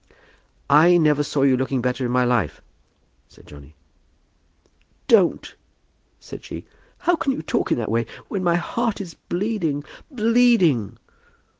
"I never saw you looking better in my life," said Johnny. "Don't," said she. "How can you talk in that way, when my heart is bleeding, bleeding."